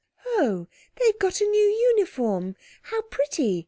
"Oh, they've got a new uniform, how pretty!"